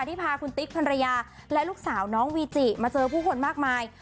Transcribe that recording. ที่พาคุณติ๊กพันรยาและลูกสาวน้องวีจิมาเจอผู้คนมากมาย